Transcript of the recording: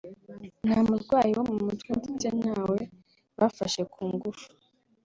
nta murwayi wo mu mutwe ndetse ntawe bafashe ku ngufu